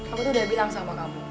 aku tuh udah bilang sama kamu